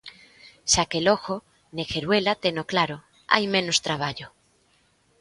Xa que logo, Negueruela teno claro: "Hai menos traballo".